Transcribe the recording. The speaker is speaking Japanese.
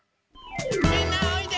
みんなおいで！